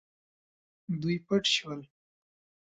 دوی پټ شول.